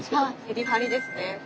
メリハリですね。